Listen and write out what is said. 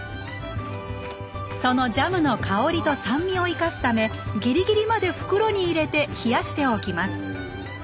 そのジャムの香りと酸味を生かすためギリギリまで袋に入れて冷やしておきます